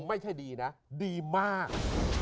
ไม่ใช่ดีนะดีมาก